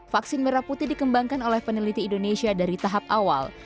vaksin merah putih dikembangkan oleh peneliti indonesia dari tahap awal